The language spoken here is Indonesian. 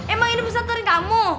emang ini pesantren kamu